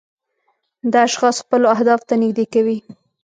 دا اشخاص خپلو اهدافو ته نږدې کوي.